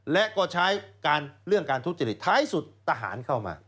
และก็ใช้เรื่องการทุกข์จิตริตท้ายสุดตะหารเข้ามา